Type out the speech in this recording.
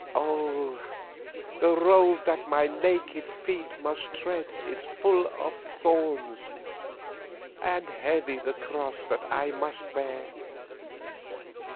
Oh! the road that my naked feet must tread is full of thorns, and heavy the cross that I must bear.